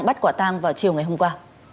bắt quả tang vào chiều ngày hôm qua